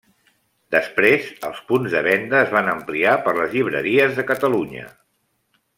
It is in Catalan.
Després, els punts de venda es van ampliar per les llibreries de Catalunya.